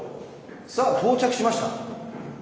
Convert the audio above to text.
さあ到着しました。